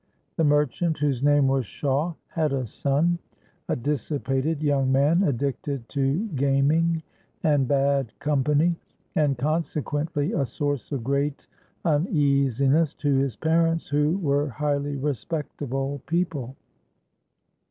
The merchant, whose name was Shawe, had a son—a dissipated young man, addicted to gaming and bad company, and consequently a source of great uneasiness to his parents, who were highly respectable people.